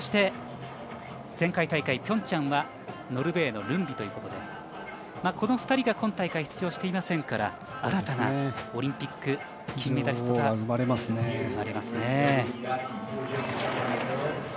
前回大会のピョンチャンはノルウェーということでこの２人が今大会出場していませんから新たなオリンピック金メダリストが決まりますね。